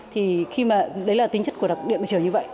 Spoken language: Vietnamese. thì khi mà đấy là tính chất của đặc điện mặt trời như vậy